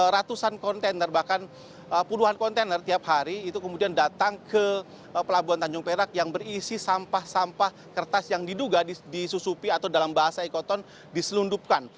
ratusan kontainer bahkan puluhan kontainer tiap hari itu kemudian datang ke pelabuhan tanjung perak yang berisi sampah sampah kertas yang diduga disusupi atau dalam bahasa ekoton diselundupkan